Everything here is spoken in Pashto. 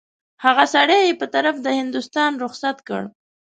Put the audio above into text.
هغه سړی یې په طرف د هندوستان رخصت کړ.